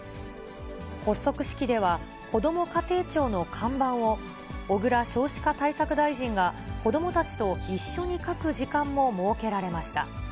発足式では、こども家庭庁の看板を、小倉少子化対策大臣が、子どもたちと一緒に書く時間も設けられました。